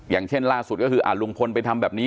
อย่างเช่นล่าสุดก็คือลุงพลไปทำแบบนี้